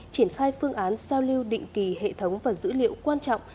triển khai phương án sao lưu định kỳ hệ thống và dữ liệu quan trọng